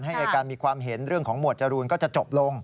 อายการมีความเห็นเรื่องของหมวดจรูนก็จะจบลง